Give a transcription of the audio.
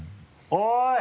おい！